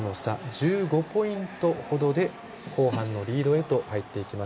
１５ポイント程で後半のリードへと入っていきます。